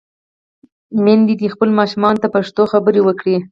میندې دې خپلو ماشومانو ته پښتو خبرې وکړي.